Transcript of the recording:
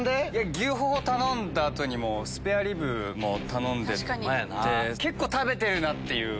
牛ホホ頼んだ後にもスペアリブも頼んでて結構食べてるなっていう。